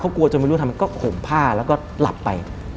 กลัวจนไม่รู้ทำไมก็ห่มผ้าแล้วก็หลับไป